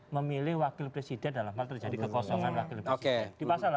memilih wakil presiden dalam hal terjadi kekosongan wakil presiden